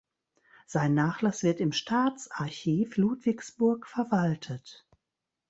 Sein Nachlass wird im Staatsarchiv Ludwigsburg verwaltet.